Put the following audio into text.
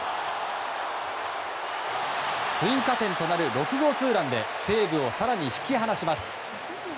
追加点となる６号ツーランで西武を更に引き離します。